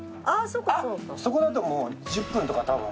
そこだともう１０分とかたぶん。